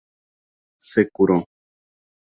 Se curó.